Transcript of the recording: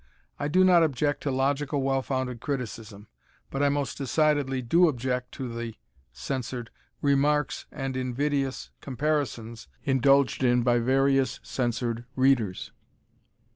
I do not object to logical, well founded criticism, but I most decidedly do object to the [censored] remarks and invidious comparisons indulged in by various [censored] Readers.